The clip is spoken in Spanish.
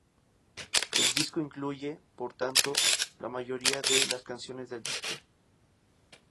El disco incluye, por tanto, la mayoría de las canciones del disco.